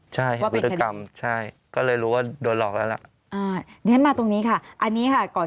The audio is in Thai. ใช่ใช่ก็เลยรู้ว่าโดยหลอกแล้วนี่มาตรงนี้ค่ะอันนี้ค่ะก่อน